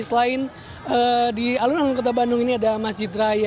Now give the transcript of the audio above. selain di alun alun kota bandung ini ada masjid raya